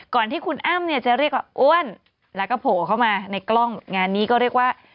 ก่อนที่คุณอ้ำเนี่ยจะเรียกว่าอ้วนแล้วก็โผล่เข้ามาในกล้องงานนี้ก็เรียกว่า